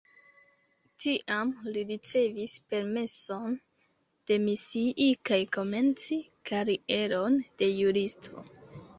Tiam li ricevis permeson demisii kaj komenci karieron de juristo.